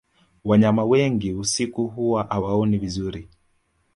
wanyama wengi usiku huwa hawaoni vizuri